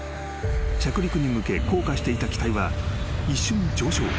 ［着陸に向け降下していた機体は一瞬上昇］